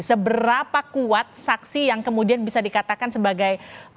seberapa kuat saksi yang kemudian bisa dikatakan sebagai